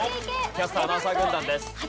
キャスター・アナウンサー軍団です。